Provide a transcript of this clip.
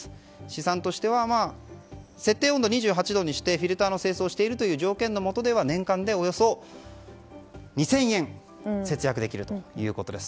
試算としては設定温度２８度にしてフィルターの清掃をしているという条件の下では年間でおよそ２０００円が節約できるということです。